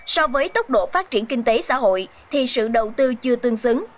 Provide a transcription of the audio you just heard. so với tốc độ phát triển kinh tế xã hội thì sự đầu tư chưa tương xứng